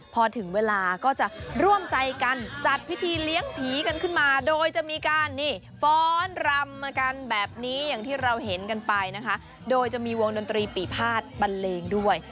พอถึงเวลาก็จะร่วมใจกันจัดพิธีเลี้ยงผีกันขึ้นมาโดยจะมีการนี่ฟ้อนรำมากันแบบนี้อย่างที่เราเห็นกันไปนะคะโดยจะมีวงดนตรีปีภาษบันเลงด้วย